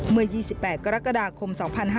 เมื่อ๒๘กรกฎาคม๒๕๕๙